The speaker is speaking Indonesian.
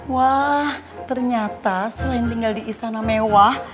wah ternyata selain tinggal di istana mewah